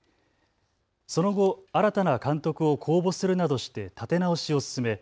その後、新たな監督を公募するなどして立て直しを進め